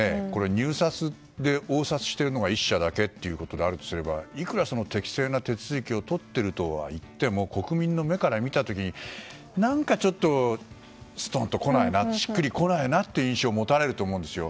入札で応札しているのが１社だけということであればいくら、適正な手続きをとっているとはいっても国民の目から見た時に何かちょっとすとんとこないなしっくりこないなという印象を持たれると思うんですよ。